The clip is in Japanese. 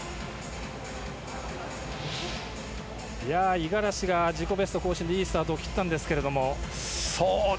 五十嵐が自己ベスト更新でいいスタートを切ったんですが。